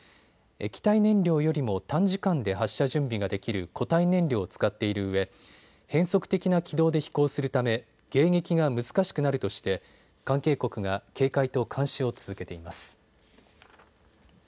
液体燃料よりも短時間で発射準備ができる固体燃料を使っているうえ変則的な軌道で飛行するため迎撃が難しくなるとして関係国が警戒と監視を続けています。